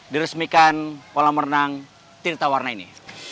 diresmikan kolam renang tirta warna ini